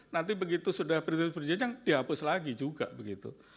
nanti begitu sudah berjenjang perjanjian dihapus lagi juga begitu